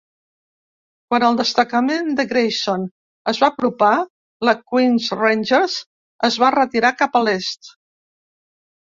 Quan el destacament de Grayson es va apropar, la Queen's Rangers es va retirar cap a l'est.